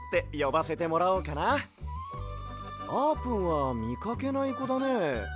あーぷんはみかけないこだね。